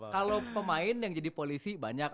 kalau pemain yang jadi polisi banyak